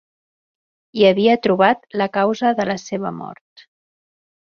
Hi havia trobat la causa de la seva mort